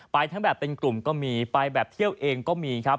ไปทั้งแบบเป็นกลุ่มก็มีไปแบบเที่ยวเองก็มีครับ